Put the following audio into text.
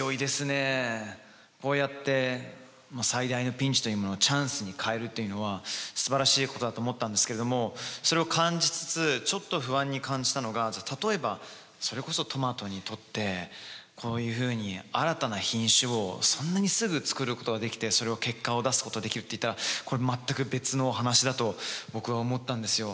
こうやって最大のピンチというものをチャンスに変えるっていうのはすばらしいことだと思ったんですけどもそれを感じつつちょっと不安に感じたのがじゃあ例えばそれこそトマトにとってこういうふうに新たな品種をそんなにすぐ作ることができてそれを結果を出すことができるっていったらこれは全く別の話だと僕は思ったんですよ。